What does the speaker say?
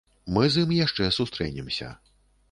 Мы з ім яшчэ сустрэнемся.